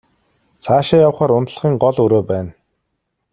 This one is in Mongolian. Цаашаа явахаар унтлагын гол өрөө байна.